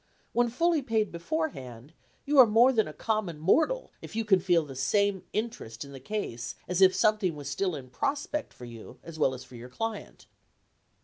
When fully paid beforehand, you are more than a com mon mortal if you can feel the same interest in the case as if something was still in prospect for you as well as for your client."